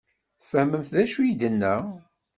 Tfehmemt d acu i d-yenna?